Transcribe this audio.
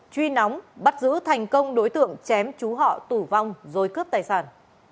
truy nóng bắt giữ thành công đối tượng chém chú họ tử vong rồi cướp tài sản